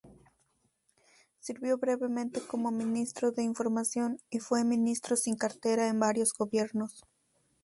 Sirvió brevemente como Ministro de Información y fue Ministro sin cartera en varios gobiernos.